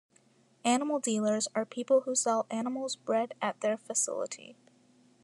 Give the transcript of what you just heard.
Animal dealers are people who sell animals bred at their facility.